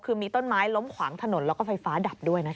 คือมีต้นไม้ล้มขวางถนนแล้วก็ไฟฟ้าดับด้วยนะคะ